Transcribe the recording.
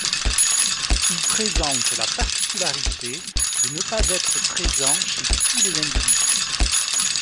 Il présente la particularité de ne pas être présent chez tous les individus.